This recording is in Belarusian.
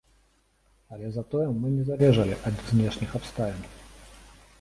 Але затое мы не залежалі ад знешніх абставін.